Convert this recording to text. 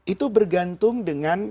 itu bergantung dengan